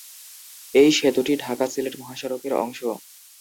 এই সেতুটি ঢাকা-সিলেট মহাসড়কের অংশ।